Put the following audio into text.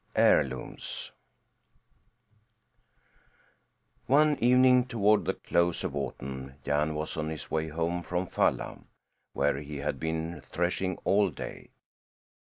HEIRLOOMS One evening, toward the close of autumn, Jan was on his way home from Falla, where he had been threshing all day.